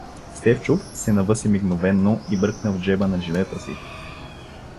Стефчов се навъси мигновено и бръкна в джеба на жилета си.